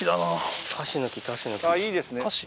あっいいですね。